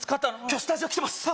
今日スタジオ来てます